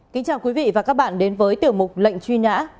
kính chào quý vị và các bạn đến với tiểu mục lệnh truy nã